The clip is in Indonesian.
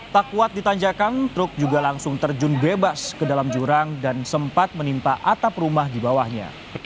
tak kuat di tanjakan truk juga langsung terjun bebas ke dalam jurang dan sempat menimpa atap rumah di bawahnya